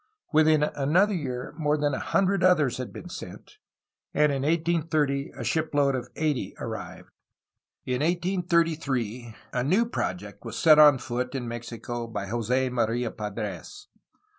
Within another year more than a hundred others had been sent, and in 1830 a shipload of eighty arrived. In 1833 a new project was set on foot in Mexico by Jos6 Maria Padres.